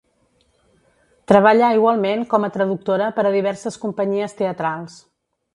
Treballà igualment com a traductora per a diverses companyies teatrals.